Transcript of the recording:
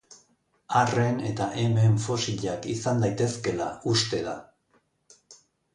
Arren eta emeen fosilak izan daitezkeela uste da.